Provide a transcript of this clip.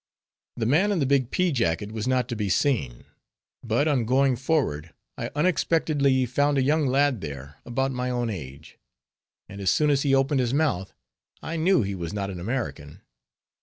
The man in the big pea jacket was not to be seen; but on going forward I unexpectedly found a young lad there, about my own age; and as soon as he opened his mouth I knew he was not an American.